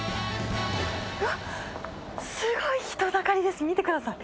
うわっ、すごい人だかりです、見てください。